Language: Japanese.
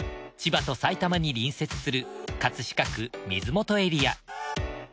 千葉と埼玉に隣接する飾区水元エリア。